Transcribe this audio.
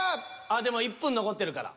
あっでも１分残ってるから。